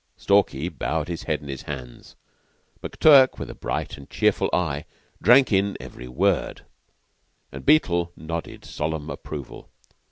Stalky bowed his head in his hands. McTurk, with a bright and cheerful eye, drank in every word, and Beetle nodded solemn approval.